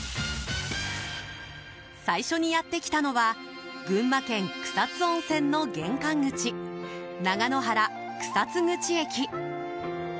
最初にやってきたのは群馬県草津温泉の玄関口長野原草津口駅。